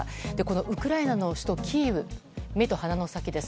ウクライナの首都キーウ目と鼻の先です。